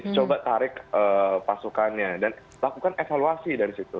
coba tarik pasukannya dan lakukan evaluasi dari situ